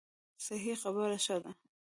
صحیح خبره ښه ده.